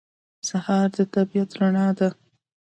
سهار د طبیعت رڼا ده.